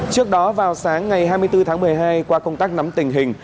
trước đó vào sáng ngày hai mươi bốn tháng một mươi hai qua công tác nắm tình hình